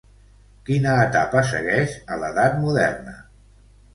Quina etapa segueix a l'edat moderna?